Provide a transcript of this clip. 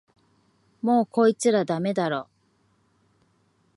もうこいつらダメだろ